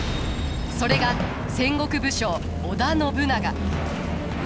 それが戦国武将織田信長。